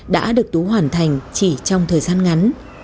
đã được tú hoàn thành chỉ trong thời gian ngắn